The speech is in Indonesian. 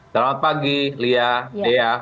selamat pagi lia dea